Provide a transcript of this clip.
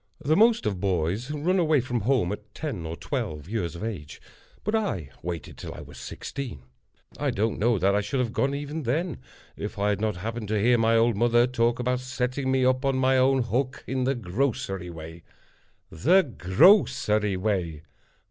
The most of boys run away from home at ten or twelve years of age, but I waited till I was sixteen. I don't know that I should have gone even then, if I had not happened to hear my old mother talk about setting me up on my own hook in the grocery way. The grocery way!